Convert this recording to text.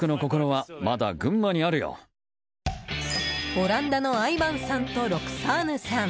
オランダのアイバンさんとロクサーヌさん